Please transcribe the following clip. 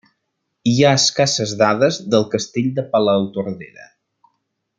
Hi ha escasses dades del castell de Palautordera.